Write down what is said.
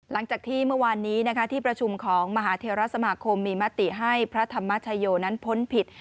หลังจากที่เมื่อวานนี้ที่ประชุมของมหาเทราสมาคมมีมติให้พระธรรมชโยนั้นพ้นผิด